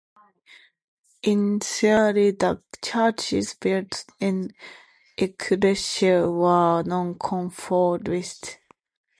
Initially the churches built in Eccleshill were nonconformist.